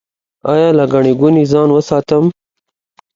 ایا له ګڼې ګوڼې ځان وساتم؟